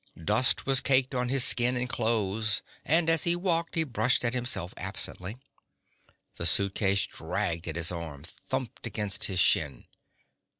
Dust was caked on his skin and clothes, and as he walked he brushed at himself absently. The suitcase dragged at his arm, thumped against his shin.